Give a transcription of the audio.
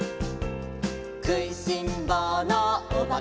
「くいしんぼうのおばけのこ」